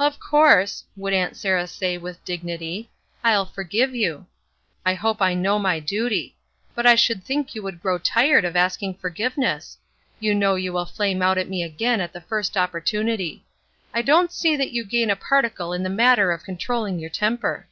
''Of course," would Aunt Sarah say with dignity, ''I'll forgive you. I hope I know my duty ; but I should think you would grow tired of asking forgiveness. You know you will flame out at me again at the first opportunity. I don't see that you gain a particle in the matter of controUing your temper."